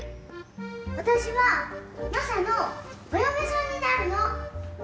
私はマサのお嫁さんになるの！